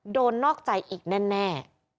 โดนนอกใจอีกแน่นแน่